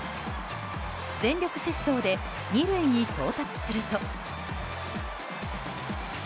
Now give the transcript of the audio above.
全力疾走で２塁に到達すると。